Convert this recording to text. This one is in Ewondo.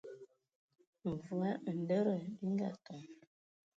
Mvɔ ai nlɛdɛn bi ngatoŋ.